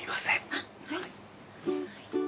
あっはい。